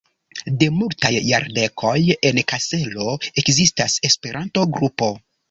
De multaj jardekoj en Kaselo ekzistas Esperanto-grupo.